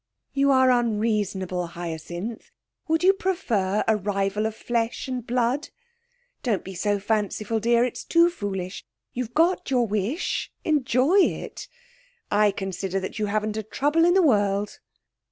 'You are unreasonable, Hyacinth! Would you prefer a rival of flesh and blood. Don't be so fanciful, dear. It's too foolish. You've got your wish; enjoy it. I consider that you haven't a trouble in the world.'